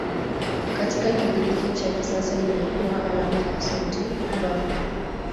Katika Kigiriki cha kisasa imekuwa alama ya sauti "V".